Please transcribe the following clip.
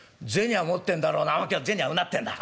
「今日は銭はうなってんだ。